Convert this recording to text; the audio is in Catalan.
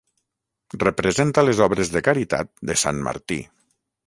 Representa les obres de caritat de Sant Martí.